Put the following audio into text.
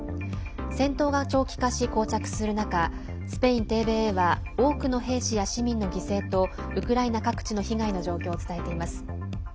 戦闘が長期化し、こう着する中スペインＴＶＥは多くの兵士や市民の犠牲とウクライナ各地の被害の状況を伝えています。